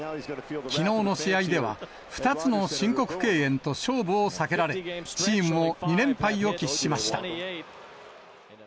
きのうの試合では、２つの申告敬遠と勝負を避けられ、チームも２連敗を喫しました。